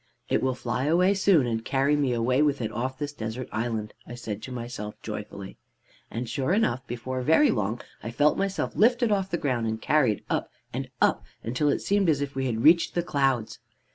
"'It will fly away soon, and carry me away with it off this desert island,' I said to myself joyfully. "And sure enough, before very long I felt myself lifted off the ground, and carried up and up until it seemed as if we had reached the clouds.